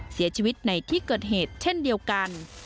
เสียชีวิตในที่เกิดเหตุเช่นเดียวกัน